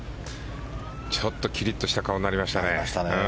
ちょっときりっとした顔になりましたね。